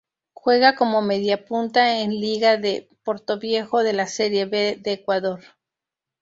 Juega como mediapunta en Liga de Portoviejo de la Serie B de Ecuador.